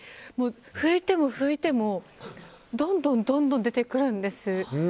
拭いても拭いてもどんどん出てくるんです。